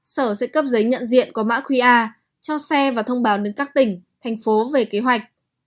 sở sẽ cấp giấy nhận diện qua mã qr cho xe và thông báo đến các tỉnh thành phố về kế hoạch